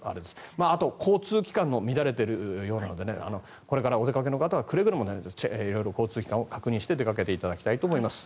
あと、交通機関も乱れているようなのでこれからお出かけの方々はくれぐれも交通機関をチェックして出かけていただきたいと思います。